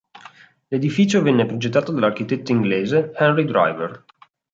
L'edificio venne progettato dall'architetto inglese Henry Driver.